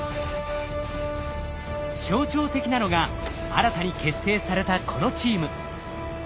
象徴的なのが新たに結成されたこのチーム。